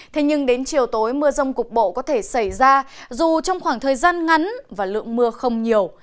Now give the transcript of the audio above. thế nhưng đến chiều tối mưa rông cục bộ có thể xảy ra dù trong khoảng thời gian ngắn và lượng mưa không nhiều